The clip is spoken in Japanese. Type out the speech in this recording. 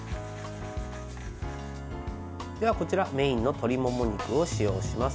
ではこちらメインの鶏もも肉を使用します。